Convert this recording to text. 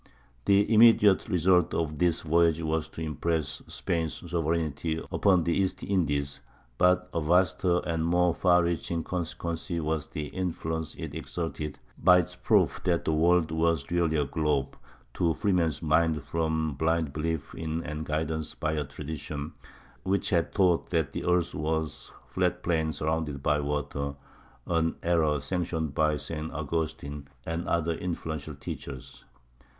The immediate result of this voyage was to impress Spain's sovereignty upon the East Indies; but a vaster and more far reaching consequence was the influence it exerted, by its proof that the world was really a globe, to free men's minds from blind belief in and guidance by a tradition, which had taught that the earth was a flat plain surrounded by water,—an error sanctioned by St. Augustine and other influential teachers.